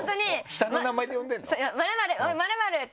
下の名前で呼んでるの？